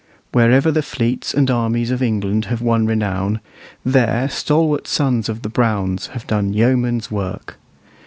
Wherever the fleets and armies of England have won renown, there stalwart sons of the Browns have done yeomen's work.